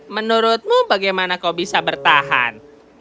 menurutmu bagaimana kau bisa bertahan